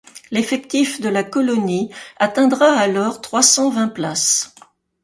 L’effectif de la colonie atteindra alors trois cent vingt places.